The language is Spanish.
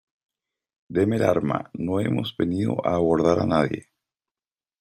deme el arma. no hemos venido a abordar a nadie .